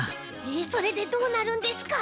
えそれでどうなるんですか？